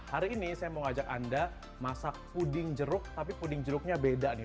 hari ini saya mau ajak anda masak puding jeruk tapi puding jeruknya beda nih